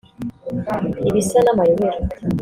ibisa n’amayobera